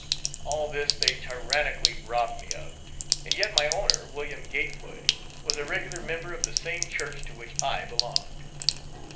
All this they tyrannically robbed me of, and yet my owner, Wm. Gatewood, was a regular member of the same church to which I belonged.